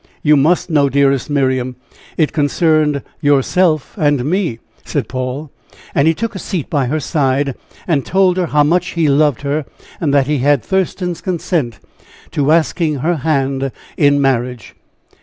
"You must know, dearest Miriam, it concerned yourself and me!" said Paul, and he took a seat by her side, and told her how much he loved her, and that he had Thurston's consent to asking her hand in marriage.